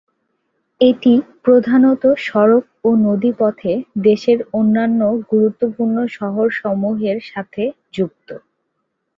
এটি প্রধানত সড়ক ও নদী পথে দেশের অন্যান্য গুরুত্বপূর্ণ শহরসমূহের সাথে যুক্ত।